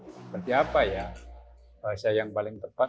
seperti apa ya bahasa yang paling tepat